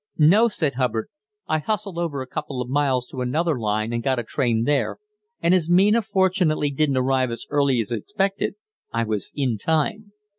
"No," said Hubbard; "I hustled over a couple of miles to another line and got a train there, and as Mina fortunately didn't arrive as early as expected, I was in time."